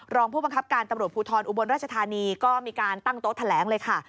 รองผู้บังคับการตำรวจภูทรอุบลราชธานีก็มีการตั้งโต๊ะแถลงเลยค่ะ